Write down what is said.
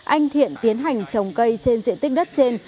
anh thiện tiến hành trồng cây trên diện tích đất trên